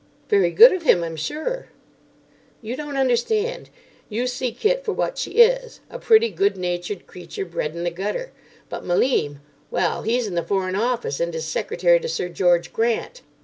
"Very good of him, I'm sure." "You don't understand. You see Kit for what she is: a pretty, good natured creature bred in the gutter. But Malim—well, he's in the Foreign Office and is secretary to Sir George Grant."